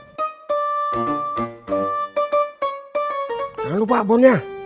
jangan lupa bonnya